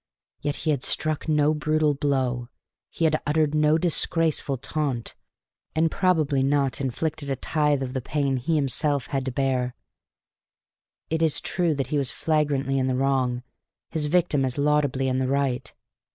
Yet he had struck no brutal blow, he had uttered no disgraceful taunt, and probably not inflicted a tithe of the pain he had himself to bear. It is true that he was flagrantly in the wrong, his victim as laudably in the right.